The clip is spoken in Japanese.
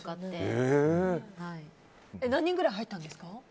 何人くらい入ったんですか？